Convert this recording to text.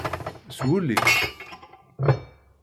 S wul-ik?